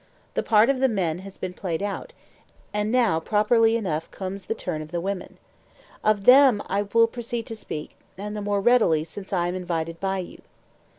The part of the men has been played out, and now properly enough comes the turn of the women. Of them I will proceed to speak, and the more readily since I am invited by you.